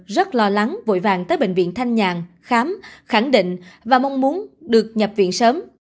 ông ngờ rất lo lắng vội vàng tới bệnh viện thanh nhạng khám khẳng định và mong muốn được nhập viện sớm